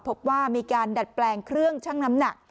พบว่ามีการดัดแปลงเครื่องชั่งน้ำหนัก